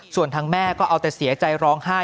ส่วนทางแม่ก็เอาแต่เสียใจร้องไห้